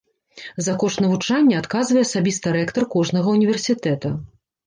За кошт навучання адказвае асабіста рэктар кожнага ўніверсітэта.